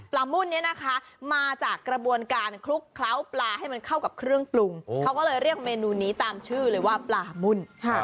มุ่นนี้นะคะมาจากกระบวนการคลุกเคล้าปลาให้มันเข้ากับเครื่องปรุงเขาก็เลยเรียกเมนูนี้ตามชื่อเลยว่าปลามุ่น